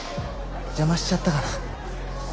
邪魔しちゃったかな。